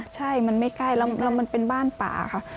ใช่มันไม่ใกล้แล้วมันเป็นบ้านป่าค่ะ